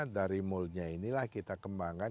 dari moolnya inilah kita kembangkan